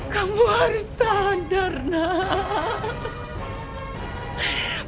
kamu harus sadar nak